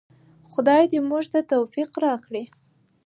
خدای دې موږ ته توفیق راکړي.